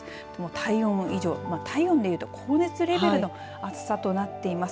体温以上、体温でいうと高熱レベルの暑さとなっています。